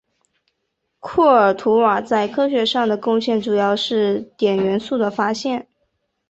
库尔图瓦在科学上的贡献主要是碘元素的发现。